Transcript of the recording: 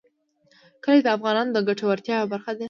کلي د افغانانو د ګټورتیا یوه برخه ده.